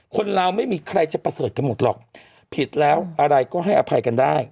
คนเราไม่มีใครจะประเสริฐกันหมดหรอกผิดแล้วอะไรก็ให้อภัยกันได้